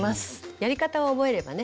やり方を覚えればね